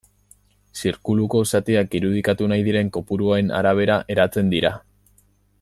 Zirkuluko zatiak irudikatu nahi diren kopuruen arabera eratzen dira.